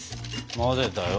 混ぜたよ。